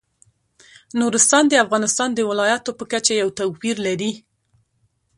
نورستان د افغانستان د ولایاتو په کچه یو توپیر لري.